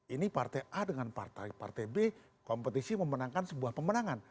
ini partai a dengan partai b kompetisi memenangkan sebuah pemenangan